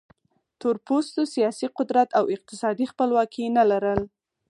تور پوستو سیاسي قدرت او اقتصادي خپلواکي نه لرل.